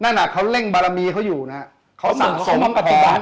นั่นน่ะเขาเร่งบารมีเขาอยู่นะครับเขาสะสมของ